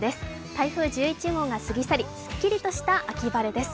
台風１１号が過ぎ去り、すっきりとした秋晴れです。